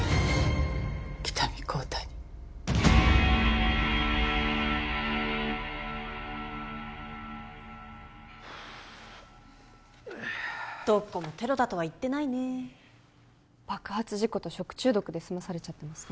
喜多見幸太にどこもテロだとは言ってないね爆発事故と食中毒で済まされちゃってますね